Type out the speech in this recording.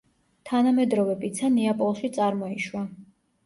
თანამედროვე პიცა ნეაპოლში წარმოიშვა.